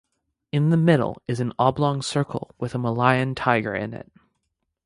In the middle is an oblong circle with a Malayan tiger in it.